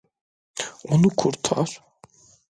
Onu kurtar.